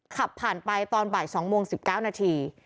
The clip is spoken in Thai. ขับผ่านไปตอนบ่าย๒โมง๑๙นาที